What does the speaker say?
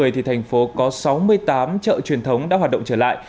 thành phố có sáu mươi tám chợ truyền thống đã hoạt động trở lại